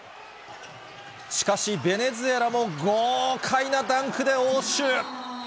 しかし、ベネズエラも豪快なダンクで応酬。